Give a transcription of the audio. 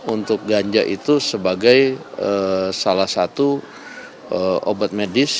untuk ganja itu sebagai salah satu obat medis